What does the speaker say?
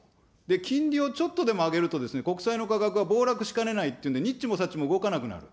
金利をちょっとでも上げると、国債の価格は暴落しかねないっていうんで、にっちもさっちも動かなくなる。